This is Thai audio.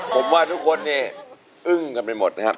ผมว่าทุกคนเนี่ยอึ้งกันไปหมดนะครับ